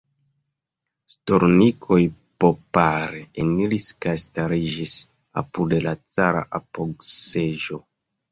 Stolnikoj popare eniris kaj stariĝis apud la cara apogseĝo.